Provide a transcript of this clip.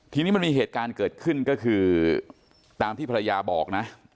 ทีนี้มันมีเหตุการณ์เกิดขึ้นก็คือตามที่ภรรยาบอกนะ